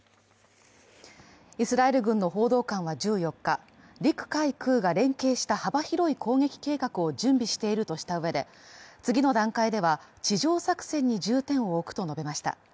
イスラエル軍の報道官は１４日、陸海空が連携した幅広い攻撃計画を準備しているとしたうえで次の段階では地上作戦に重点を置くと述べました。